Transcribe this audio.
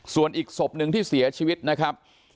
ส่วนอีกศพหนึ่งที่เสียชีวิตนะครับ